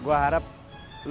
masuk ke iplik